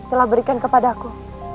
telah berikan kepadaku